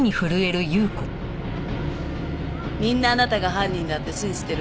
みんなあなたが犯人だって信じてるわ。